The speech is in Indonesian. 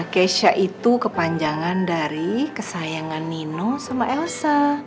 keisha itu kepanjangan dari kesayangan nino sama elsa